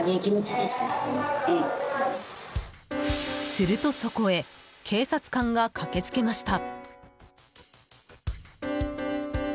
すると、そこへ警察官が駆け付けました。